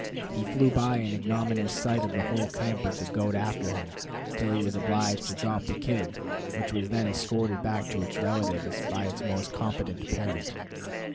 He flew by in ignominious sight of the whole camp with the goat after him, till he was obliged to drop the kid, which was then escorted back to its relatives by its most competent parent.